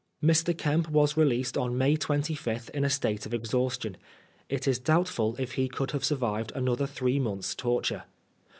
Mr. Kemp was released on May 25 in a state of ex haustion. It is doubtful if he could have survived another three months' torture.